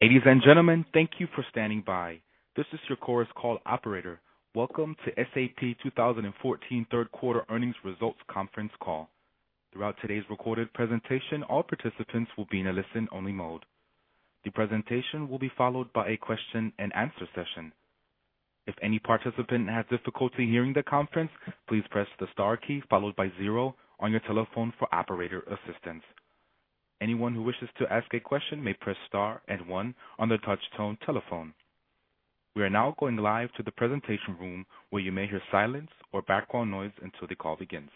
Ladies and gentlemen, thank you for standing by. This is your Chorus Call operator. Welcome to SAP 2014 third quarter earnings results conference call. Throughout today's recorded presentation, all participants will be in a listen-only mode. The presentation will be followed by a question and answer session. If any participant has difficulty hearing the conference, please press the star key followed by zero on your telephone for operator assistance. Anyone who wishes to ask a question may press star and one on their touch-tone telephone. We are now going live to the presentation room, where you may hear silence or background noise until the call begins.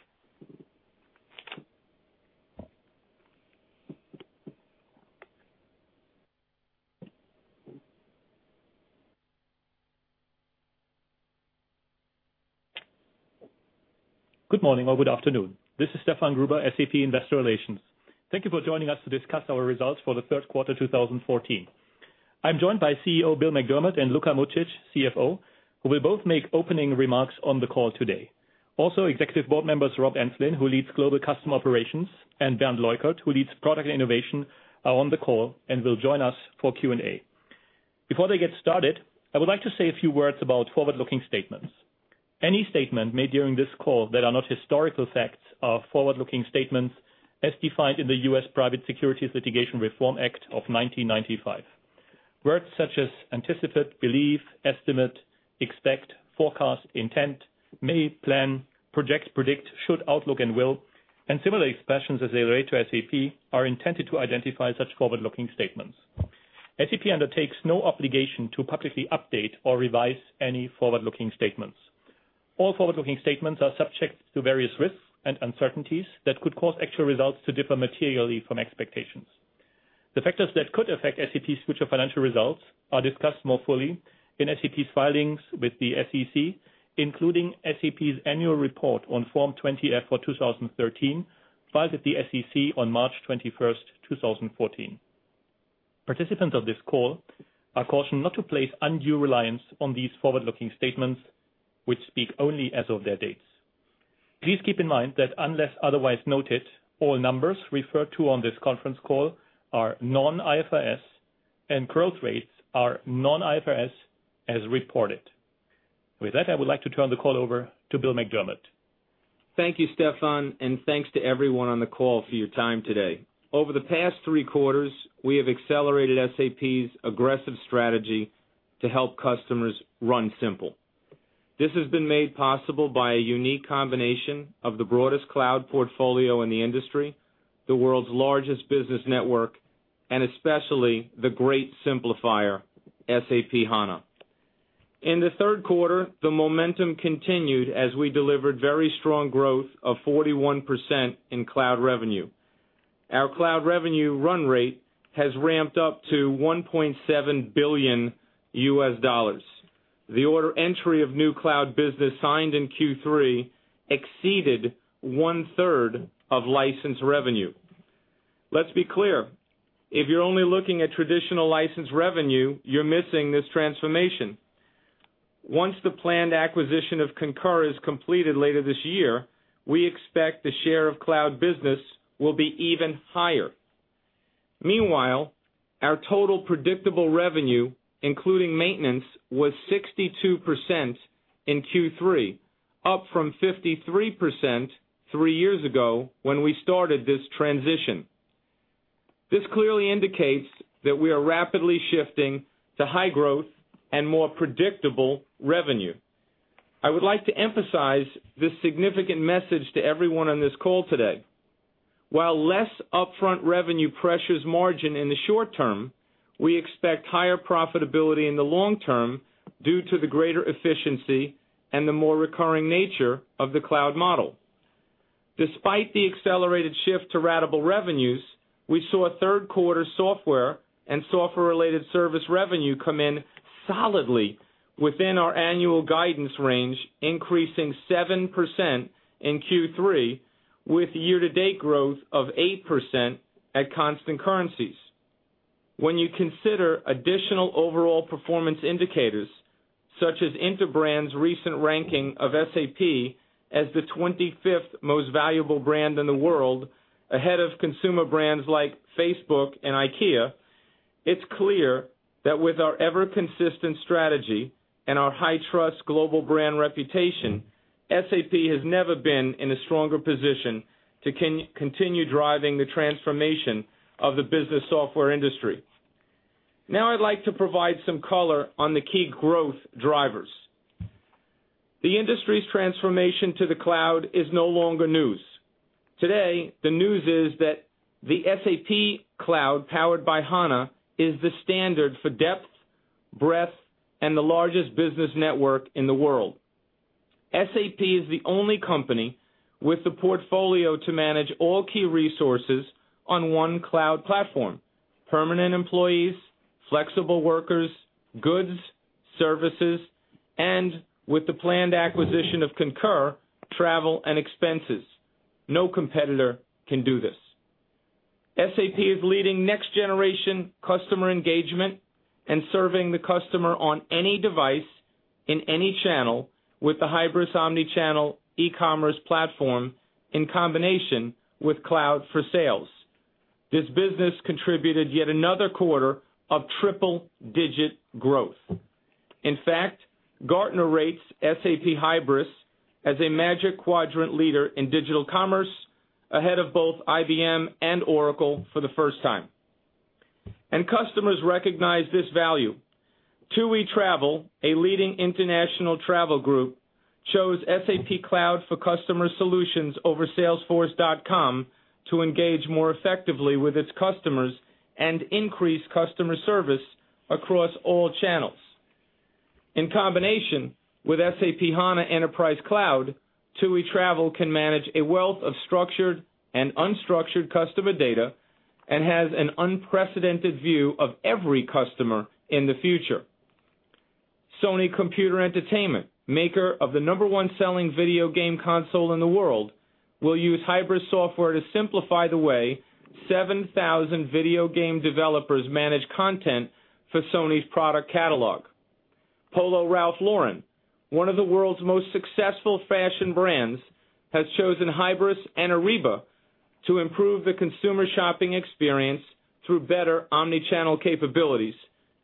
Good morning or good afternoon. This is Stefan Gruber, SAP Investor Relations. Thank you for joining us to discuss our results for the third quarter 2014. I'm joined by CEO, Bill McDermott, and Luka Mucic, CFO, who will both make opening remarks on the call today. Also, executive board members, Rob Enslin, who leads global customer operations, and Bernd Leukert, who leads product innovation, are on the call and will join us for Q&A. Before they get started, I would like to say a few words about forward-looking statements. Any statement made during this call that are not historical facts are forward-looking statements as defined in the U.S. Private Securities Litigation Reform Act of 1995. Words such as anticipated, believe, estimate, expect, forecast, intent, may, plan, project, predict, should, outlook, and will, and similar expressions as they relate to SAP, are intended to identify such forward-looking statements. SAP undertakes no obligation to publicly update or revise any forward-looking statements. All forward-looking statements are subject to various risks and uncertainties that could cause actual results to differ materially from expectations. The factors that could affect SAP's future financial results are discussed more fully in SAP's filings with the SEC, including SAP's annual report on Form 20-F for 2013, filed with the SEC on March 21st, 2014. Participants of this call are cautioned not to place undue reliance on these forward-looking statements, which speak only as of their dates. Please keep in mind that unless otherwise noted, all numbers referred to on this conference call are non-IFRS, and growth rates are non-IFRS as reported. With that, I would like to turn the call over to Bill McDermott. Thank you, Stefan, and thanks to everyone on the call for your time today. Over the past three quarters, we have accelerated SAP's aggressive strategy to help customers Run Simple. This has been made possible by a unique combination of the broadest cloud portfolio in the industry, the world's largest business network, and especially the great simplifier, SAP HANA. In the third quarter, the momentum continued as we delivered very strong growth of 41% in cloud revenue. Our cloud revenue run rate has ramped up to EUR 1.7 billion. The order entry of new cloud business signed in Q3 exceeded one-third of licensed revenue. Let's be clear. If you're only looking at traditional licensed revenue, you're missing this transformation. Once the planned acquisition of Concur is completed later this year, we expect the share of cloud business will be even higher. Meanwhile, our total predictable revenue, including maintenance, was 62% in Q3, up from 53% three years ago when we started this transition. This clearly indicates that we are rapidly shifting to high growth and more predictable revenue. I would like to emphasize this significant message to everyone on this call today. While less upfront revenue pressures margin in the short term, we expect higher profitability in the long term due to the greater efficiency and the more recurring nature of the cloud model. Despite the accelerated shift to ratable revenues, we saw third quarter software and software-related service revenue come in solidly within our annual guidance range, increasing 7% in Q3, with year-to-date growth of 8% at constant currencies. When you consider additional overall performance indicators, such as Interbrand's recent ranking of SAP as the 25th most valuable brand in the world, ahead of consumer brands like Facebook and IKEA, it's clear that with our ever-consistent strategy and our high-trust global brand reputation, SAP has never been in a stronger position to continue driving the transformation of the business software industry. Now I'd like to provide some color on the key growth drivers. The industry's transformation to the cloud is no longer news. Today, the news is that the SAP cloud powered by HANA is the standard for depth, breadth, and the largest business network in the world. SAP is the only company with the portfolio to manage all key resources on one cloud platform. Permanent employees, flexible workers, goods, services, and with the planned acquisition of Concur, travel and expenses. No competitor can do this. SAP is leading next generation customer engagement and serving the customer on any device in any channel with the Hybris omnichannel e-commerce platform in combination with Cloud for Sales. This business contributed yet another quarter of triple-digit growth. In fact, Gartner rates SAP Hybris as a Magic Quadrant leader in digital commerce, ahead of both IBM and Oracle for the first time. Customers recognize this value. TUI Travel, a leading international travel group, chose SAP Cloud for Customer Solutions over salesforce.com to engage more effectively with its customers and increase customer service across all channels. In combination with SAP HANA Enterprise Cloud, TUI Travel can manage a wealth of structured and unstructured customer data and has an unprecedented view of every customer in the future. Sony Computer Entertainment, maker of the number one selling video game console in the world, will use Hybris software to simplify the way 7,000 video game developers manage content for Sony's product catalog. Polo Ralph Lauren, one of the world's most successful fashion brands, has chosen Hybris and Ariba to improve the consumer shopping experience through better omni-channel capabilities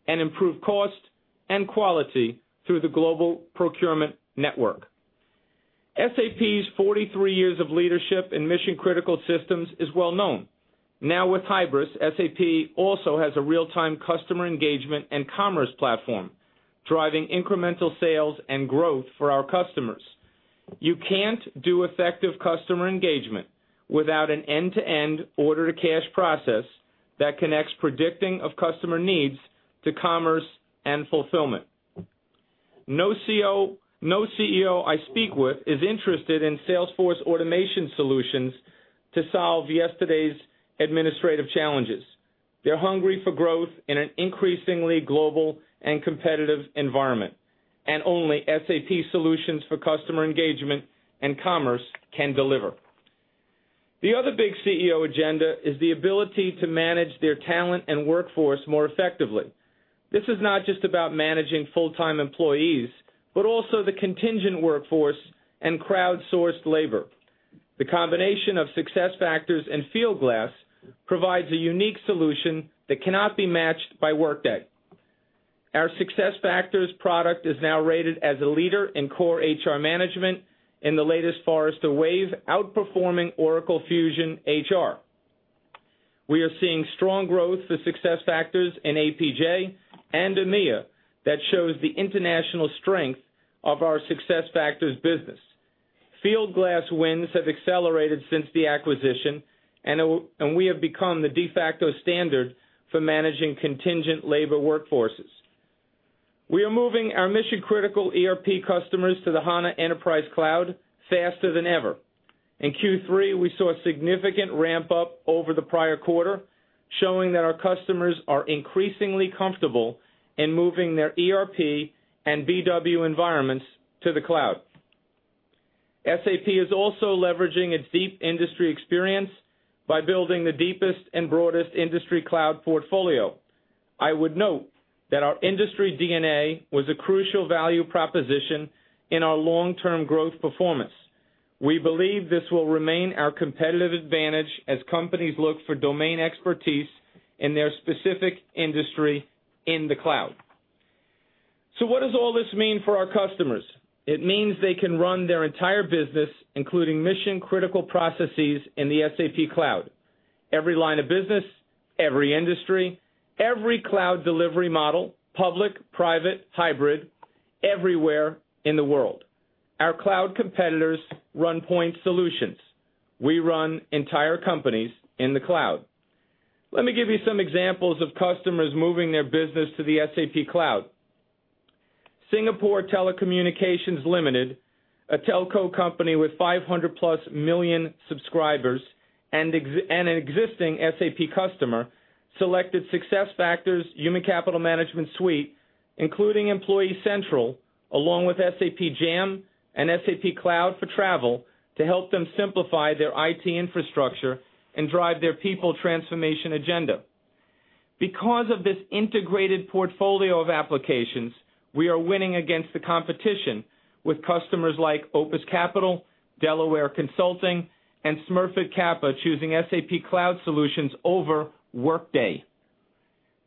and improve cost and quality through the global procurement network. SAP's 43 years of leadership in mission-critical systems is well known. Now with Hybris, SAP also has a real-time customer engagement and commerce platform, driving incremental sales and growth for our customers. You can't do effective customer engagement without an end-to-end order-to-cash process that connects predicting of customer needs to commerce and fulfillment. No CEO I speak with is interested in Salesforce automation solutions to solve yesterday's administrative challenges. They're hungry for growth in an increasingly global and competitive environment. Only SAP solutions for customer engagement and commerce can deliver. The other big CEO agenda is the ability to manage their talent and workforce more effectively. This is not just about managing full-time employees, but also the contingent workforce and crowdsourced labor. The combination of SuccessFactors and Fieldglass provides a unique solution that cannot be matched by Workday. Our SuccessFactors product is now rated as a leader in core HR management in the latest Forrester Wave, outperforming Oracle Fusion Cloud HCM. We are seeing strong growth for SuccessFactors in APJ and EMEA that shows the international strength of our SuccessFactors business. Fieldglass wins have accelerated since the acquisition, and we have become the de facto standard for managing contingent labor workforces. We are moving our mission-critical ERP customers to the HANA Enterprise Cloud faster than ever. In Q3, we saw a significant ramp-up over the prior quarter, showing that our customers are increasingly comfortable in moving their ERP and BW environments to the cloud. SAP is also leveraging its deep industry experience by building the deepest and broadest industry cloud portfolio. I would note that our industry DNA was a crucial value proposition in our long-term growth performance. We believe this will remain our competitive advantage as companies look for domain expertise in their specific industry in the cloud. What does all this mean for our customers? It means they can run their entire business, including mission-critical processes, in the SAP cloud. Every line of business, every industry, every cloud delivery model, public, private, hybrid, everywhere in the world. Our cloud competitors run point solutions. We run entire companies in the cloud. Let me give you some examples of customers moving their business to the SAP cloud. Singapore Telecommunications Limited, a telco company with 500+ million subscribers and an existing SAP customer, selected SuccessFactors Human Capital Management Suite, including Employee Central, along with SAP Jam and SAP Cloud for Travel to help them simplify their IT infrastructure and drive their people transformation agenda. Because of this integrated portfolio of applications, we are winning against the competition with customers like Opus Capital, Delaware Consulting, and Smurfit Kappa choosing SAP cloud solutions over Workday.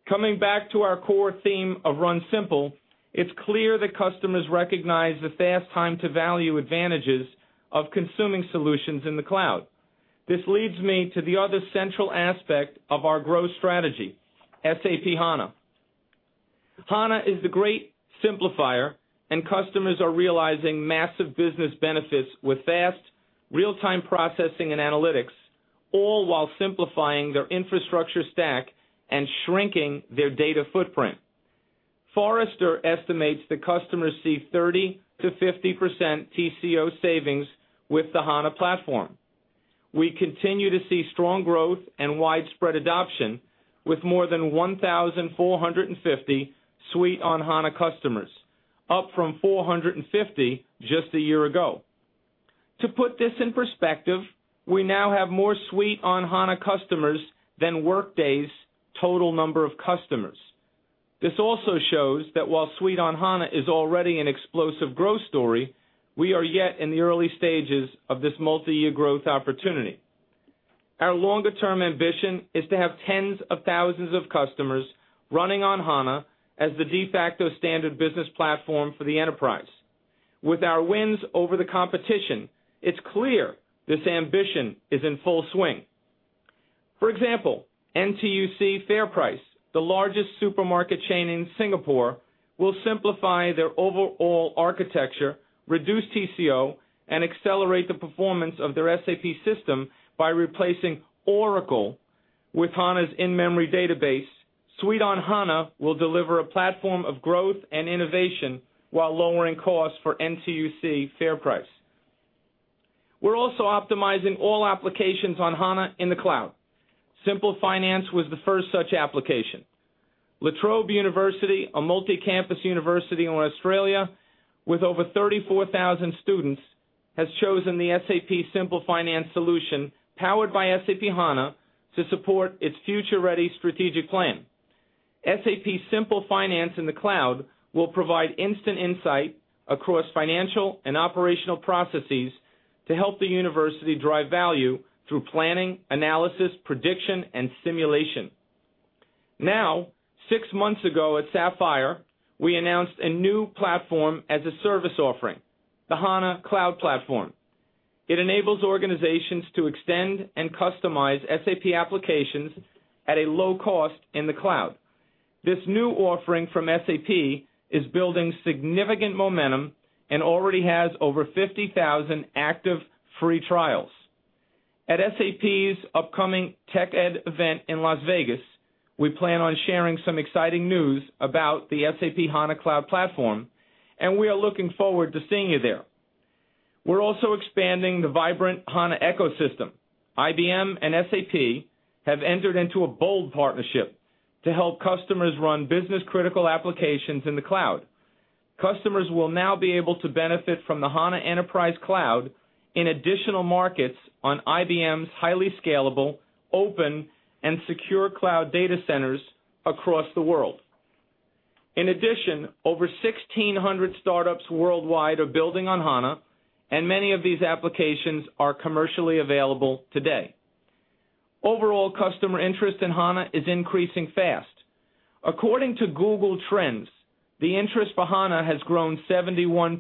Coming back to our core theme of Run Simple, it's clear that customers recognize the fast time to value advantages of consuming solutions in the cloud. This leads me to the other central aspect of our growth strategy, SAP HANA. HANA is the great simplifier. Customers are realizing massive business benefits with fast, real-time processing and analytics, all while simplifying their infrastructure stack and shrinking their data footprint. Forrester estimates that customers see 30%-50% TCO savings with the HANA platform. We continue to see strong growth and widespread adoption with more than 1,450 Suite on HANA customers, up from 450 just a year ago. To put this in perspective, we now have more Suite on HANA customers than Workday's total number of customers. This also shows that while Suite on HANA is already an explosive growth story, we are yet in the early stages of this multi-year growth opportunity. Our longer-term ambition is to have tens of thousands of customers running on HANA as the de facto standard business platform for the enterprise. With our wins over the competition, it's clear this ambition is in full swing. For example, NTUC FairPrice, the largest supermarket chain in Singapore, will simplify their overall architecture, reduce TCO, and accelerate the performance of their SAP system by replacing Oracle with HANA's in-memory database. Suite on HANA will deliver a platform of growth and innovation while lowering costs for NTUC FairPrice. We're also optimizing all applications on HANA in the cloud. SAP Simple Finance was the first such application. La Trobe University, a multi-campus university in Australia with over 34,000 students, has chosen the SAP Simple Finance solution powered by SAP HANA to support its future-ready strategic plan. SAP Simple Finance in the cloud will provide instant insight across financial and operational processes to help the university drive value through planning, analysis, prediction, and simulation. Six months ago at Sapphire, we announced a new Platform-as-a-Service offering, the HANA Cloud Platform. It enables organizations to extend and customize SAP applications at a low cost in the cloud. This new offering from SAP is building significant momentum and already has over 50,000 active free trials. At SAP's upcoming TechEd event in Las Vegas, we plan on sharing some exciting news about the SAP HANA Cloud Platform, we are looking forward to seeing you there. We're also expanding the vibrant HANA ecosystem. IBM and SAP have entered into a bold partnership to help customers run business-critical applications in the cloud. Customers will now be able to benefit from the HANA Enterprise Cloud in additional markets on IBM's highly scalable, open, and secure cloud data centers across the world. In addition, over 1,600 startups worldwide are building on HANA, many of these applications are commercially available today. Overall customer interest in HANA is increasing fast. According to Google Trends, the interest for HANA has grown 71%.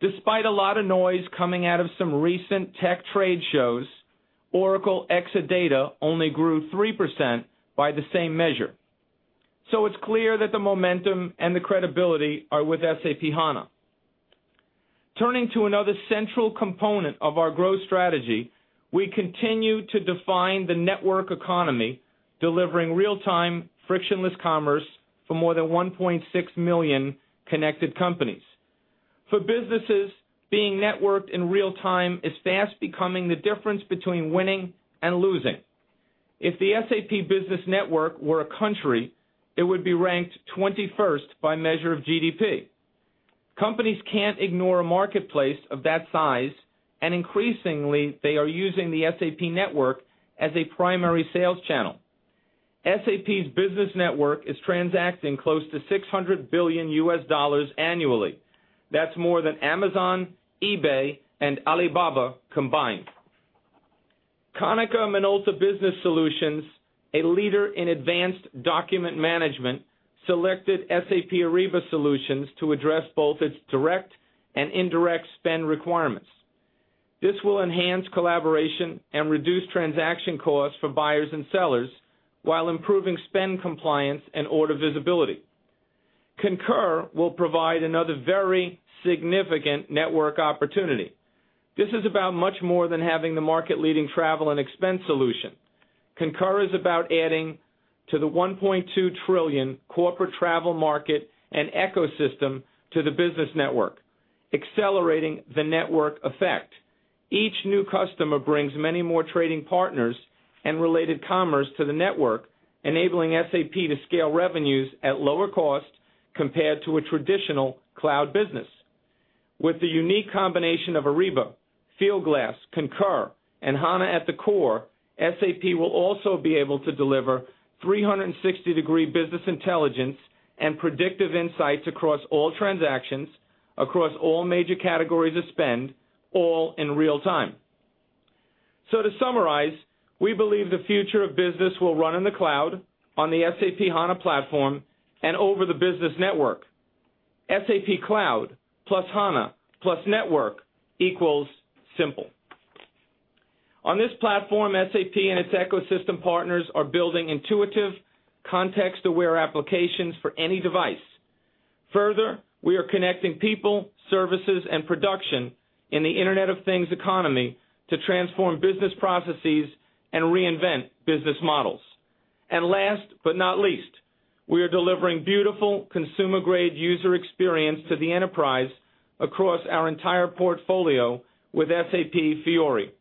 Despite a lot of noise coming out of some recent tech trade shows, Oracle Exadata only grew 3% by the same measure. It's clear that the momentum and the credibility are with SAP HANA. Turning to another central component of our growth strategy, we continue to define the network economy, delivering real-time, frictionless commerce for more than 1.6 million connected companies. For businesses, being networked in real time is fast becoming the difference between winning and losing. If the SAP Business Network were a country, it would be ranked 21st by measure of GDP. Companies can't ignore a marketplace of that size, increasingly, they are using the SAP Network as a primary sales channel. SAP's Business Network is transacting close to EUR 600 billion annually. That's more than Amazon, eBay, and Alibaba combined. Konica Minolta Business Solutions, a leader in advanced document management, selected SAP Ariba solutions to address both its direct and indirect spend requirements. This will enhance collaboration and reduce transaction costs for buyers and sellers while improving spend compliance and order visibility. Concur will provide another very significant network opportunity. This is about much more than having the market-leading travel and expense solution. Concur is about adding to the 1.2 trillion corporate travel market and ecosystem to the Business Network, accelerating the network effect. Each new customer brings many more trading partners and related commerce to the network, enabling SAP to scale revenues at lower cost compared to a traditional cloud business. With the unique combination of Ariba, Fieldglass, Concur, and HANA at the core, SAP will also be able to deliver 360-degree business intelligence and predictive insights across all transactions, across all major categories of spend, all in real time. To summarize, we believe the future of business will run in the cloud, on the SAP HANA platform, and over the business network. SAP cloud plus HANA plus network equals simple. On this platform, SAP and its ecosystem partners are building intuitive, context-aware applications for any device. Further, we are connecting people, services, and production in the Internet of Things economy to transform business processes and reinvent business models. Last but not least, we are delivering beautiful, consumer-grade user experience to the enterprise across our entire portfolio with SAP Fiori.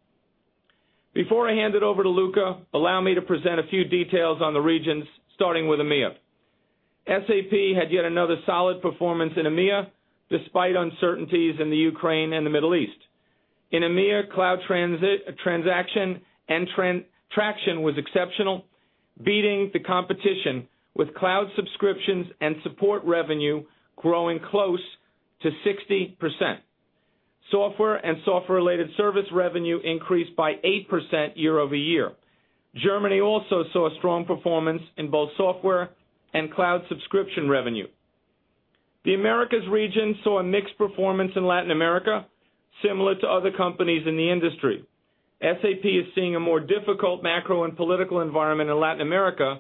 Before I hand it over to Luka, allow me to present a few details on the regions, starting with EMEA. SAP had yet another solid performance in EMEA, despite uncertainties in the Ukraine and the Middle East. In EMEA, cloud transaction and traction was exceptional, beating the competition with cloud subscriptions and support revenue growing close to 60%. Software and software-related service revenue increased by 8% year-over-year. Germany also saw strong performance in both software and cloud subscription revenue. The Americas region saw a mixed performance in Latin America, similar to other companies in the industry. SAP is seeing a more difficult macro and political environment in Latin America,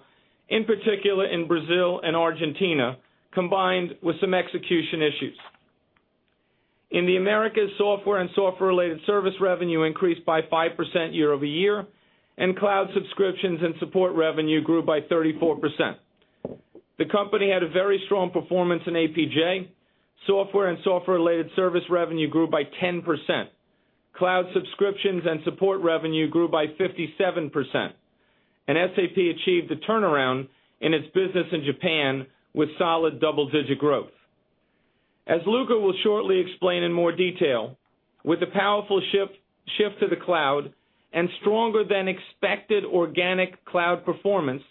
in particular in Brazil and Argentina, combined with some execution issues. In the Americas, software and software-related service revenue increased by 5% year-over-year, and cloud subscriptions and support revenue grew by 34%. The company had a very strong performance in APJ. Software and software-related service revenue grew by 10%. Cloud subscriptions and support revenue grew by 57%. SAP achieved a turnaround in its business in Japan with solid double-digit growth. As Luka will shortly explain in more detail, with the powerful shift to the cloud and stronger than expected organic cloud performance,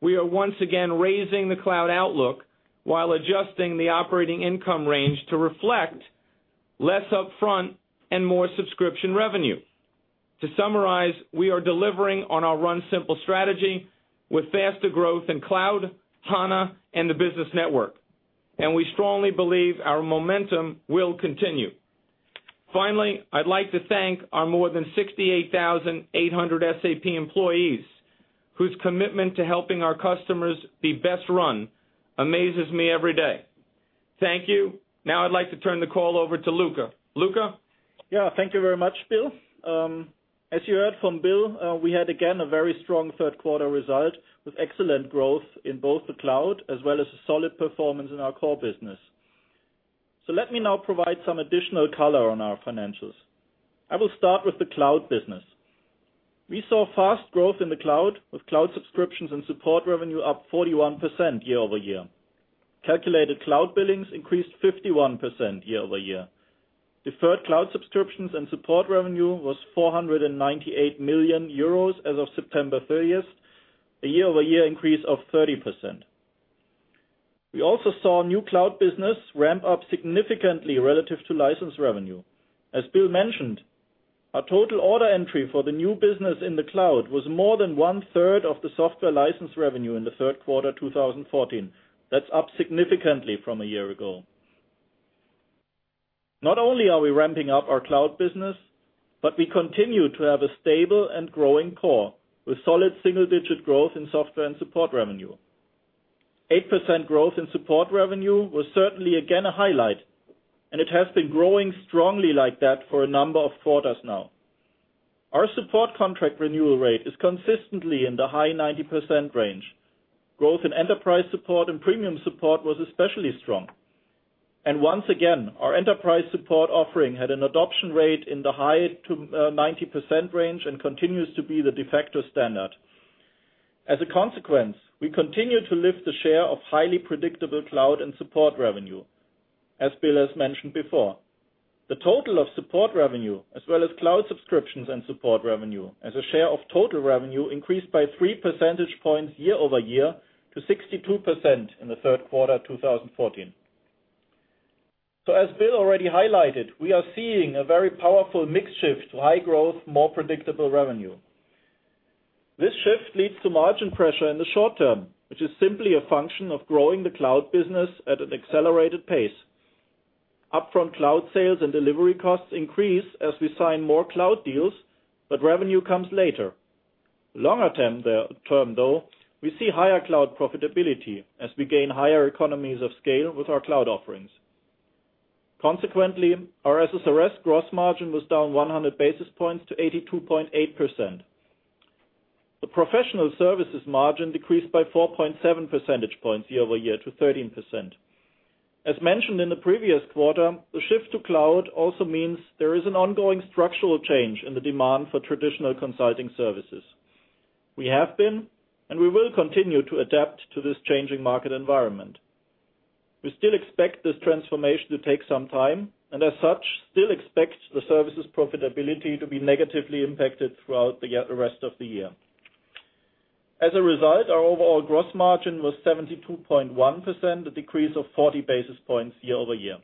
we are once again raising the cloud outlook while adjusting the operating income range to reflect less upfront and more subscription revenue. To summarize, we are delivering on our Run Simple strategy with faster growth in cloud, HANA, and the business network. We strongly believe our momentum will continue. Finally, I'd like to thank our more than 68,800 SAP employees whose commitment to helping our customers be best run amazes me every day. Thank you. Now I'd like to turn the call over to Luka. Luka? Thank you very much, Bill. As you heard from Bill, we had again a very strong third quarter result with excellent growth in both the cloud as well as a solid performance in our core business. Let me now provide some additional color on our financials. I will start with the cloud business. We saw fast growth in the cloud, with cloud subscriptions and support revenue up 41% year-over-year. Calculated cloud billings increased 51% year-over-year. Deferred cloud subscriptions and support revenue was 498 million euros as of September 30th, a year-over-year increase of 30%. We also saw new cloud business ramp up significantly relative to license revenue. As Bill mentioned, our total order entry for the new business in the cloud was more than one-third of the software license revenue in the third quarter 2014. That's up significantly from a year ago. Not only are we ramping up our cloud business, but we continue to have a stable and growing core with solid single-digit growth in software and support revenue. 8% growth in support revenue was certainly again a highlight, and it has been growing strongly like that for a number of quarters now. Our support contract renewal rate is consistently in the high 90% range. Growth in enterprise support and premium support was especially strong. Once again, our enterprise support offering had an adoption rate in the high 90% range and continues to be the de facto standard. As a consequence, we continue to lift the share of highly predictable cloud and support revenue, as Bill has mentioned before. The total of support revenue as well as cloud subscriptions and support revenue as a share of total revenue increased by three percentage points year-over-year to 62% in the third quarter 2014. As Bill already highlighted, we are seeing a very powerful mix shift to high growth, more predictable revenue. This shift leads to margin pressure in the short term, which is simply a function of growing the cloud business at an accelerated pace. Upfront cloud sales and delivery costs increase as we sign more cloud deals, but revenue comes later. Longer term, though, we see higher cloud profitability as we gain higher economies of scale with our cloud offerings. Consequently, our SSRS gross margin was down 100 basis points to 82.8%. The professional services margin decreased by 4.7 percentage points year-over-year to 13%. As mentioned in the previous quarter, the shift to cloud also means there is an ongoing structural change in the demand for traditional consulting services. We have been, and we will continue to adapt to this changing market environment. We still expect this transformation to take some time, and as such, still expect the services profitability to be negatively impacted throughout the rest of the year. As a result, our overall gross margin was 72.1%, a decrease of 40 basis points year-over-year.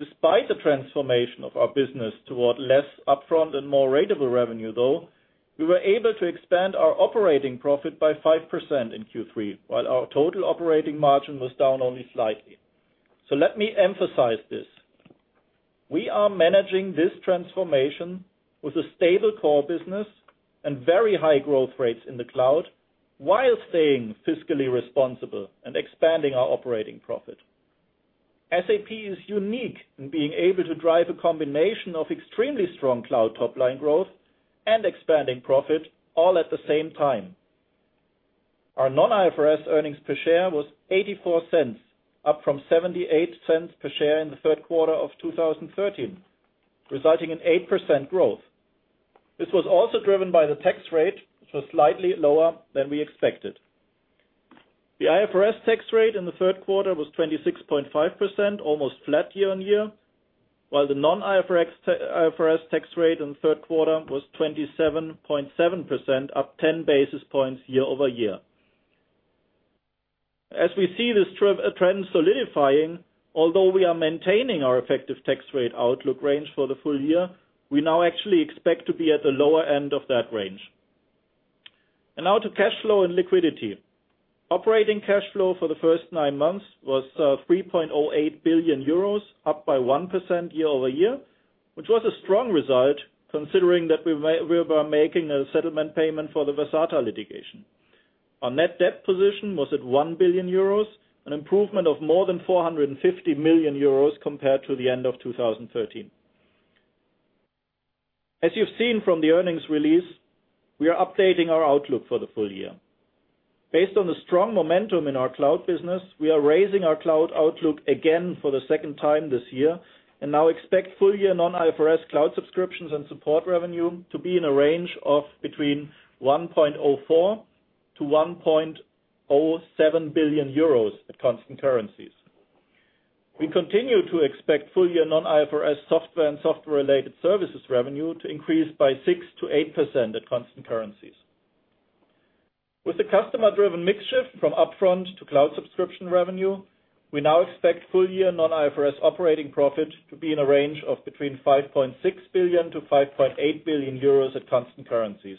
Despite the transformation of our business toward less upfront and more ratable revenue, though, we were able to expand our operating profit by 5% in Q3, while our total operating margin was down only slightly. Let me emphasize this. We are managing this transformation with a stable core business and very high growth rates in the cloud while staying fiscally responsible and expanding our operating profit. SAP is unique in being able to drive a combination of extremely strong cloud top-line growth and expanding profit all at the same time. Our non-IFRS earnings per share was $0.84, up from $0.78 per share in the third quarter of 2013, resulting in 8% growth. This was also driven by the tax rate, which was slightly lower than we expected. The IFRS tax rate in the third quarter was 26.5%, almost flat year-on-year, while the non-IFRS tax rate in the third quarter was 27.7%, up 10 basis points year-over-year. As we see this trend solidifying, although we are maintaining our effective tax rate outlook range for the full year, we now actually expect to be at the lower end of that range. Now to cash flow and liquidity. Operating cash flow for the first nine months was 3.08 billion euros, up by 1% year-over-year, which was a strong result considering that we were making a settlement payment for the Versata litigation. Our net debt position was at 1 billion euros, an improvement of more than 450 million euros compared to the end of 2013. As you've seen from the earnings release, we are updating our outlook for the full year. Based on the strong momentum in our cloud business, we are raising our cloud outlook again for the second time this year and now expect full year non-IFRS cloud subscriptions and support revenue to be in a range of between 1.04 billion-1.07 billion euros at constant currencies. We continue to expect full year non-IFRS software and software-related services revenue to increase by 6%-8% at constant currencies. With the customer-driven mix shift from upfront to cloud subscription revenue, we now expect full year non-IFRS operating profit to be in a range of between 5.6 billion-5.8 billion euros at constant currencies.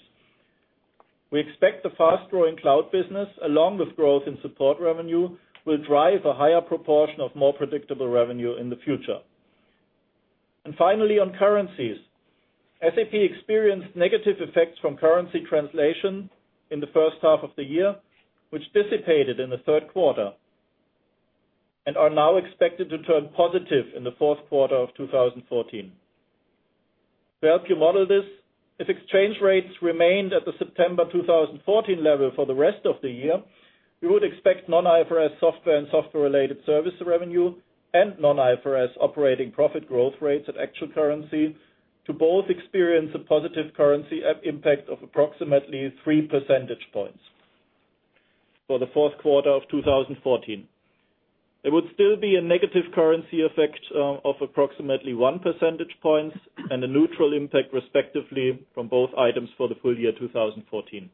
We expect the fast-growing cloud business, along with growth in support revenue, will drive a higher proportion of more predictable revenue in the future. Finally, on currencies. SAP experienced negative effects from currency translation in the first half of the year, which dissipated in the third quarter, and are now expected to turn positive in the fourth quarter of 2014. To help you model this, if exchange rates remained at the September 2014 level for the rest of the year, we would expect non-IFRS software and software-related service revenue and non-IFRS operating profit growth rates at actual currency to both experience a positive currency impact of approximately three percentage points for the fourth quarter of 2014. There would still be a negative currency effect of approximately one percentage points and a neutral impact, respectively, from both items for the full year 2014.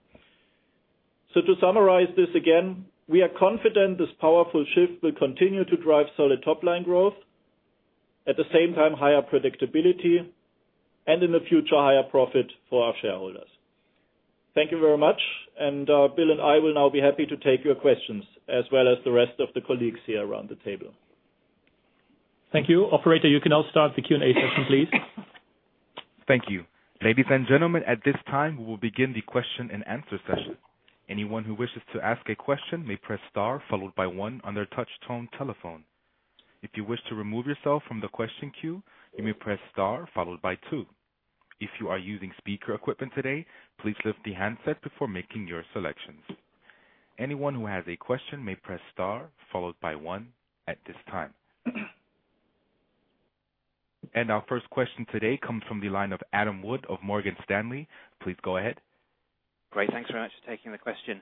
To summarize this again, we are confident this powerful shift will continue to drive solid top-line growth, at the same time, higher predictability, and in the future, higher profit for our shareholders. Thank you very much. Bill and I will now be happy to take your questions, as well as the rest of the colleagues here around the table. Thank you. Operator, you can now start the Q&A session, please. Thank you. Ladies and gentlemen, at this time, we will begin the question and answer session. Anyone who wishes to ask a question may press star followed by one on their touch tone telephone. If you wish to remove yourself from the question queue, you may press star followed by two. If you are using speaker equipment today, please lift the handset before making your selections. Anyone who has a question may press star followed by one at this time. Our first question today comes from the line of Adam Wood of Morgan Stanley. Please go ahead. Great. Thanks very much for taking the question.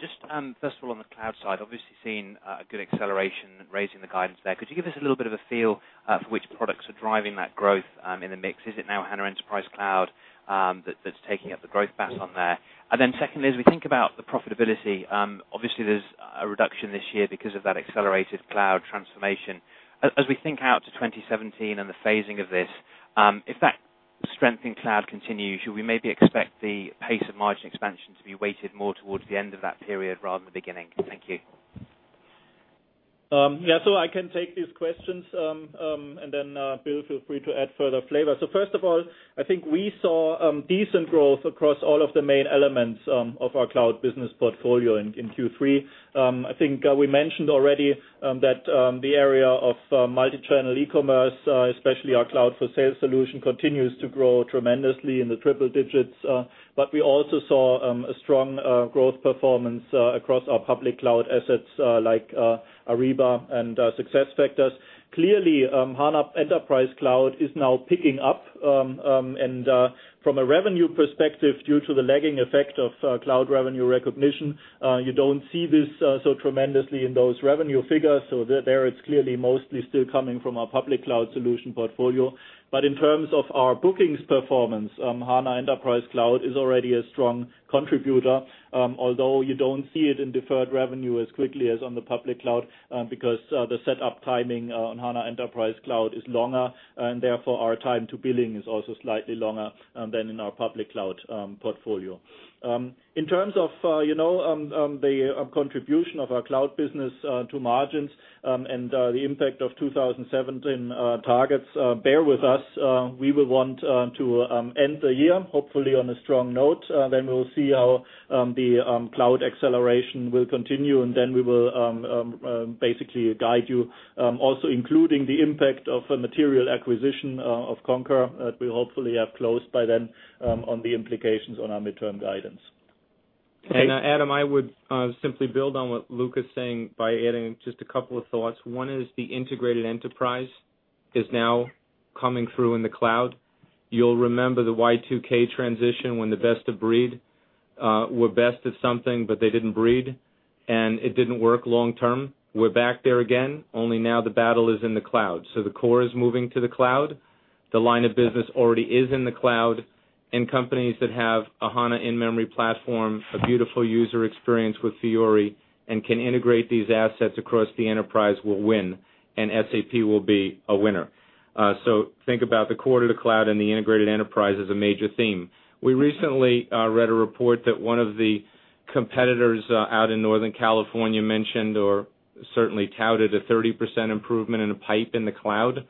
Just first of all, on the cloud side, obviously seeing a good acceleration, raising the guidance there. Could you give us a little bit of a feel for which products are driving that growth in the mix? Is it now HANA Enterprise Cloud that's taking up the growth baton there? Secondly, as we think about the profitability, obviously there's a reduction this year because of that accelerated cloud transformation. As we think out to 2017 and the phasing of this, if that strength in cloud continues, should we maybe expect the pace of margin expansion to be weighted more towards the end of that period rather than the beginning? Thank you. Yeah. I can take these questions, then Bill, feel free to add further flavor. First of all, I think we saw decent growth across all of the main elements of our cloud business portfolio in Q3. I think we mentioned already that the area of multi-channel e-commerce, especially our Cloud for Sales solution, continues to grow tremendously in the triple digits. We also saw a strong growth performance across our public cloud assets like Ariba and SuccessFactors. Clearly, HANA Enterprise Cloud is now picking up. From a revenue perspective, due to the lagging effect of cloud revenue recognition, you don't see this so tremendously in those revenue figures. There it's clearly mostly still coming from our public cloud solution portfolio. In terms of our bookings performance, HANA Enterprise Cloud is already a strong contributor. Although you don't see it in deferred revenue as quickly as on the public cloud, because the setup timing on SAP HANA Enterprise Cloud is longer, and therefore our time to billing is also slightly longer than in our public cloud portfolio. In terms of the contribution of our cloud business to margins and the impact of 2017 targets, bear with us. We will want to end the year, hopefully on a strong note. We will see how the cloud acceleration will continue, we will basically guide you, also including the impact of a material acquisition of Concur, that we hopefully have closed by then, on the implications on our midterm guidance. Adam, I would simply build on what Luka is saying by adding just a couple of thoughts. One is the integrated enterprise is now coming through in the cloud. You'll remember the Y2K transition when the best of breed were best at something, but they didn't breed, it didn't work long term. We're back there again, only now the battle is in the cloud. The core is moving to the cloud. The line of business already is in the cloud, companies that have a SAP HANA in-memory platform, a beautiful user experience with SAP Fiori, can integrate these assets across the enterprise will win, SAP will be a winner. Think about the core to the cloud and the integrated enterprise as a major theme. We recently read a report that one of the competitors out in Northern California mentioned, or certainly touted, a 30% improvement in a pipe in the cloud.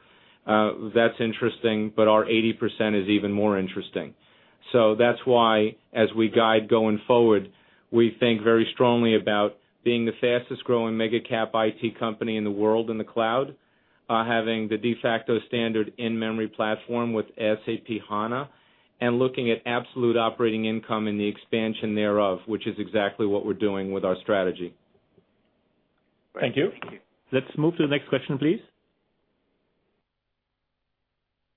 That's interesting, but our 80% is even more interesting. That's why, as we guide going forward, we think very strongly about being the fastest-growing mega cap IT company in the world in the cloud, having the de facto standard in-memory platform with SAP HANA, looking at absolute operating income and the expansion thereof, which is exactly what we're doing with our strategy. Thank you. Let's move to the next question, please.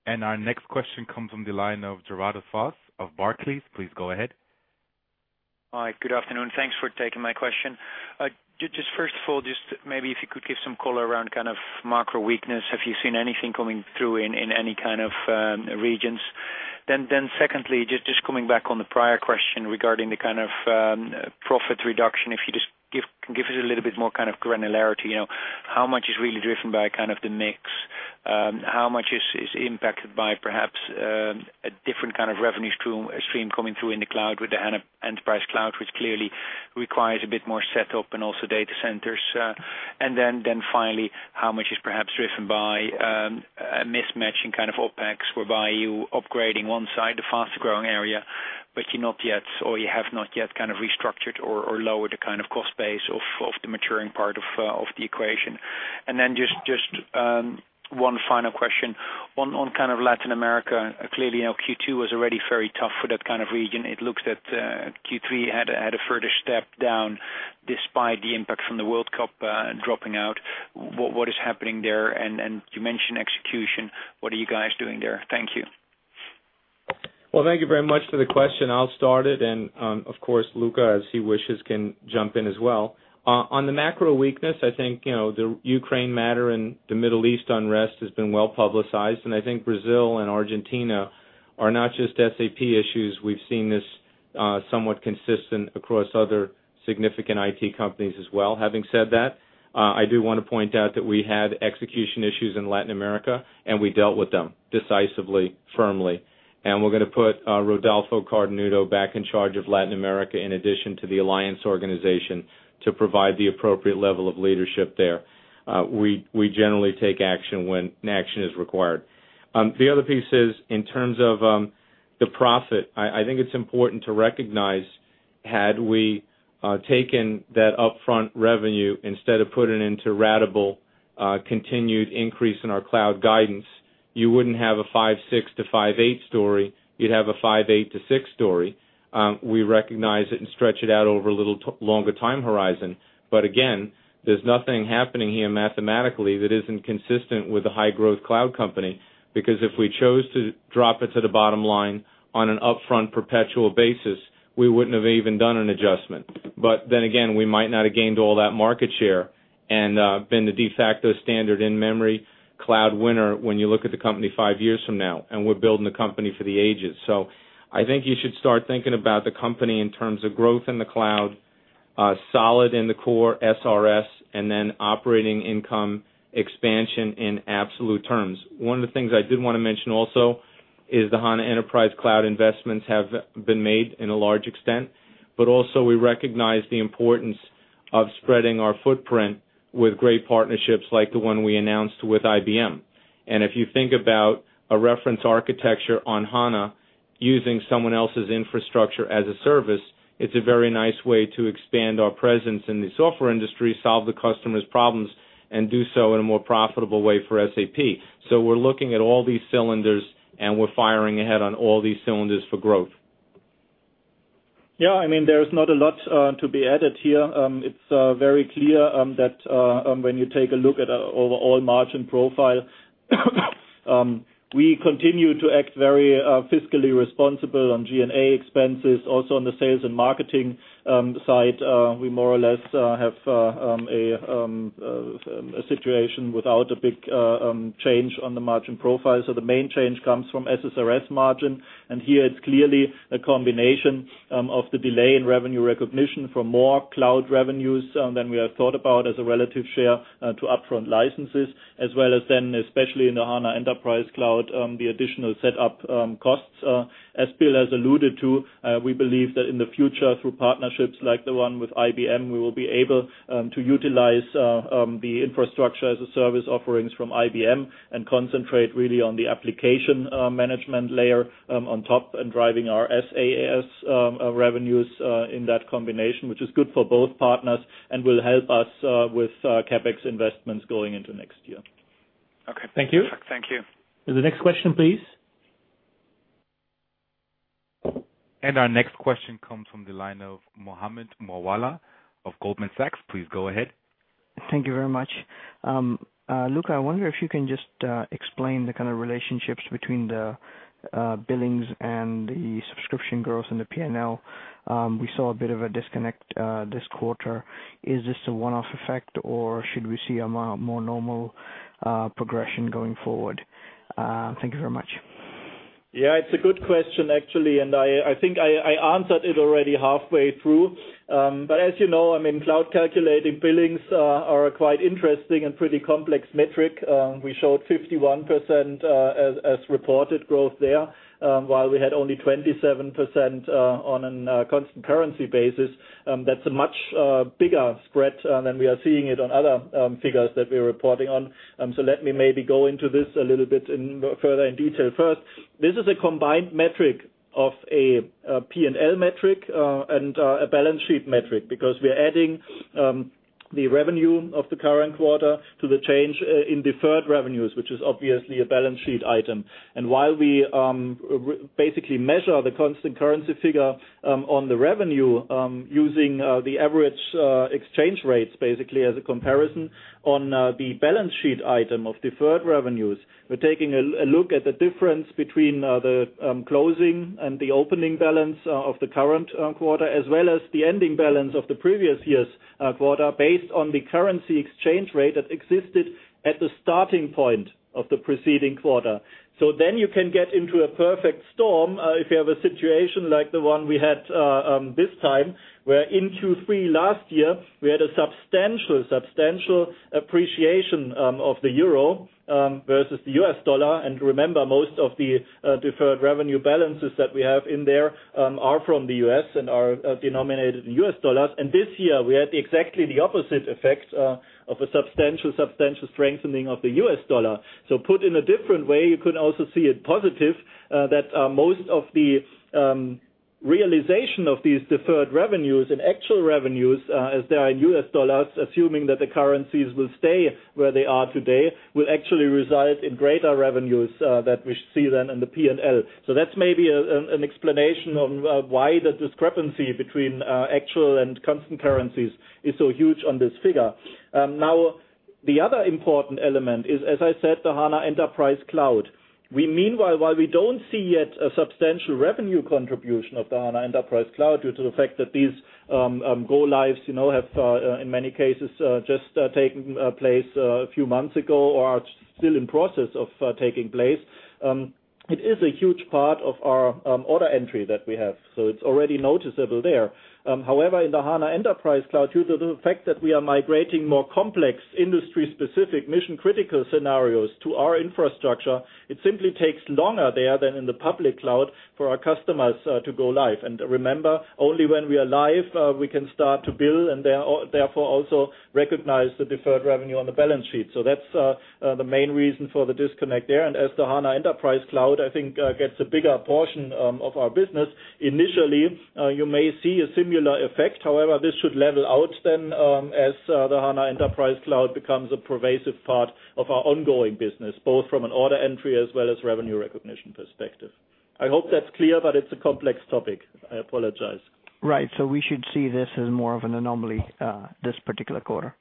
Our next question comes from the line of Gerardus Vos of Barclays. Please go ahead. Hi. Good afternoon. Thanks for taking my question. First of all, maybe if you could give some color around macro weakness. Have you seen anything coming through in any kind of regions? Secondly, coming back on the prior question regarding the kind of profit reduction, if you just give us a little bit more granularity. How much is really driven by the mix? How much is impacted by perhaps a different kind of revenue stream coming through in the cloud with the Enterprise Cloud, which clearly requires a bit more setup and also data centers? Finally, how much is perhaps driven by a mismatch in OpEx, whereby you're upgrading one side, the faster-growing area, but you're not yet, or you have not yet restructured or lowered the cost base of the maturing part of the equation? Just one final question. On Latin America, clearly, Q2 was already very tough for that kind of region. It looks that Q3 had a further step down despite the impact from the World Cup dropping out. What is happening there? You mentioned execution. What are you guys doing there? Thank you. Well, thank you very much for the question. I'll start it, and of course, Luka, as he wishes, can jump in as well. On the macro weakness, I think, the Ukraine matter and the Middle East unrest has been well-publicized, and I think Brazil and Argentina are not just SAP issues. We've seen this somewhat consistent across other significant IT companies as well. Having said that, I do want to point out that we had execution issues in Latin America, and we dealt with them decisively, firmly. We're going to put Rodolpho Cardenuto back in charge of Latin America, in addition to the alliance organization, to provide the appropriate level of leadership there. We generally take action when action is required. The other piece is in terms of the profit. I think it's important to recognize, had we taken that upfront revenue instead of putting into ratable continued increase in our cloud guidance, you wouldn't have a 5.6 to 5.8 story, you'd have a 5.8 to 6 story. We recognize it and stretch it out over a little longer time horizon. Again, there's nothing happening here mathematically that isn't consistent with a high-growth cloud company, because if we chose to drop it to the bottom line on an upfront perpetual basis, we wouldn't have even done an adjustment. Again, we might not have gained all that market share and been the de facto standard in-memory cloud winner when you look at the company five years from now, and we're building the company for the ages. I think you should start thinking about the company in terms of growth in the cloud, solid in the core SRS, operating income expansion in absolute terms. One of the things I did want to mention also is the HANA Enterprise Cloud investments have been made in a large extent. Also we recognize the importance of spreading our footprint with great partnerships like the one we announced with IBM. If you think about a reference architecture on HANA using someone else's infrastructure as a service, it's a very nice way to expand our presence in the software industry, solve the customer's problems, and do so in a more profitable way for SAP. We're looking at all these cylinders, and we're firing ahead on all these cylinders for growth. There's not a lot to be added here. It's very clear that when you take a look at our overall margin profile, we continue to act very fiscally responsible on G&A expenses. Also on the sales and marketing side, we more or less have a situation without a big change on the margin profile. The main change comes from SSRS margin. Here it's clearly a combination of the delay in revenue recognition for more cloud revenues than we had thought about as a relative share to upfront licenses, as well as then, especially in the HANA Enterprise Cloud, the additional set up costs. As Bill has alluded to, we believe that in the future, through partnerships like the one with IBM, we will be able to utilize the infrastructure as a service offerings from IBM and concentrate really on the application management layer on top and driving our SaaS revenues in that combination, which is good for both partners and will help us with CapEx investments going into next year. Okay. Thank you. Thank you. The next question, please. Our next question comes from the line of Mohammed Moawalla of Goldman Sachs. Please go ahead. Thank you very much. Luka, I wonder if you can just explain the kind of relationships between the billings and the subscription growth in the P&L. We saw a bit of a disconnect this quarter. Is this a one-off effect, or should we see a more normal progression going forward? Thank you very much. Yeah, it's a good question actually. I think I answered it already halfway through. As you know, cloud calculated billings are quite interesting and pretty complex metric. We showed 51% as reported growth there, while we had only 27% on a constant currency basis. That's a much bigger spread than we are seeing it on other figures that we are reporting on. Let me maybe go into this a little bit further in detail. First, this is a combined metric of a P&L metric and a balance sheet metric because we are adding the revenue of the current quarter to the change in deferred revenues, which is obviously a balance sheet item. While we basically measure the constant currency figure on the revenue using the average exchange rates basically as a comparison on the balance sheet item of deferred revenues, we're taking a look at the difference between the closing and the opening balance of the current quarter, as well as the ending balance of the previous year's quarter based on the currency exchange rate that existed at the starting point of the preceding quarter. You can get into a perfect storm if you have a situation like the one we had this time where in Q3 last year, we had a substantial appreciation of the euro versus the US dollar. Remember, most of the deferred revenue balances that we have in there are from the U.S. and are denominated in US dollars. This year we had exactly the opposite effect of a substantial strengthening of the US dollar. Put in a different way, you could also see it positive that most of the realization of these deferred revenues and actual revenues as they are in US dollars, assuming that the currencies will stay where they are today, will actually result in greater revenues that we see then in the P&L. That's maybe an explanation of why the discrepancy between actual and constant currencies is so huge on this figure. The other important element is, as I said, the HANA Enterprise Cloud. Meanwhile, while we don't see yet a substantial revenue contribution of the HANA Enterprise Cloud due to the fact that these go lives have in many cases just taken place a few months ago or are still in process of taking place. It is a huge part of our order entry that we have, so it's already noticeable there. However, in the HANA Enterprise Cloud, due to the fact that we are migrating more complex industry-specific mission critical scenarios to our infrastructure, it simply takes longer there than in the public cloud for our customers to go live. Remember, only when we are live, we can start to bill and therefore also recognize the deferred revenue on the balance sheet. That's the main reason for the disconnect there. As the HANA Enterprise Cloud, I think, gets a bigger portion of our business initially, you may see a similar effect. However, this should level out then as the HANA Enterprise Cloud becomes a pervasive part of our ongoing business, both from an order entry as well as revenue recognition perspective. I hope that's clear, but it's a complex topic. I apologize. Right. We should see this as more of an anomaly this particular quarter?